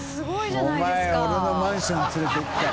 お前俺のマンションに連れて行くから」